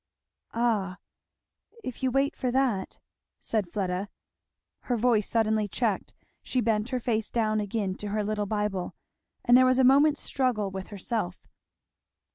"Ah if you wait for that " said Fleda. Her voice suddenly checked, she bent her face down again to her little Bible, and there was a moment's struggle with herself.